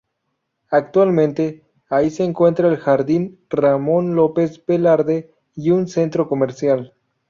Actualmente ahí se encuentra el jardín Ramón López Velarde y un centro comercial.